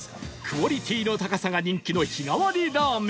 クオリティーの高さが人気の日替りらぁ麺